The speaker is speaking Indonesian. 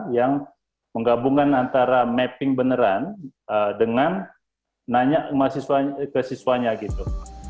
yang menggabungkan antara mapping beneran dengan nanya ke siswanya gitu